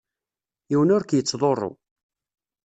Yiwen ur k-yettḍurru.